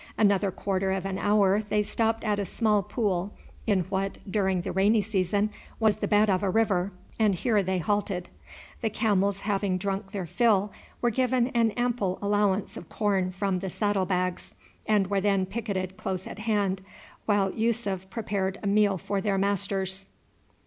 Another quarter of an hour they stopped at a small pool in what during the rainy season was the bed of a river, and here they halted. The camels having drunk their fill were given an ample allowance of corn from the saddle bags, and were then picketed close at hand, while Yussuf prepared a meal for their masters.